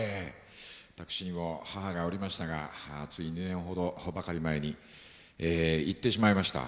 私にも母がおりましたがつい２年ほどばかり前に逝ってしまいました。